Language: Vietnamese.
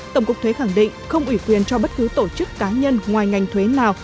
tổng cục thuế khẳng định không ủy quyền cho bất cứ tổ chức cá nhân ngoài ngành thuế nào